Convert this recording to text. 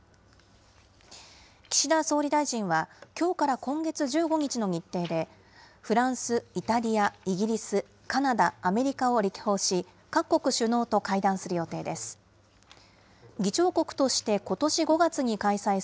岸田総理大臣は、きょうから今月１５日の日程で、フランス、イタリア、イギリス、カナダ、アメリカを歴訪し、各国首脳と会談する予定です。